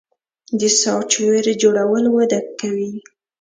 د سافټویر جوړول وده کوي